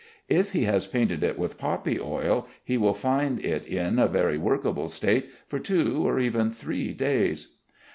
If he has painted it with poppy oil, he will find it in a very workable state for two or even three days.